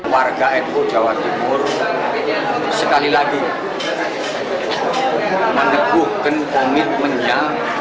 warga nu jawa timur sekali lagi meneguhkan komitmennya